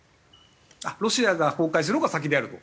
ロシアが崩壊するほうが先であると？